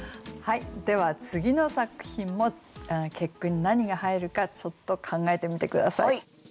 では次の作品も結句に何が入るかちょっと考えてみて下さい。